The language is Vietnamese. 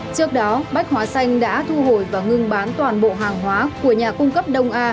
trước đó bách hóa xanh đã thu hồi và ngưng bán toàn bộ hàng hóa của nhà cung cấp đông a